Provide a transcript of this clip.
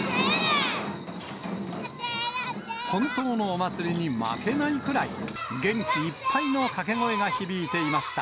本当のお祭りに負けないくらい、元気いっぱいの掛け声が響いていました。